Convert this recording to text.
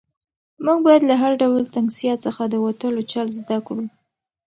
موږ باید له هر ډول تنګسیا څخه د وتلو چل زده کړو.